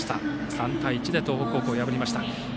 ３対１で東北高校を破りました。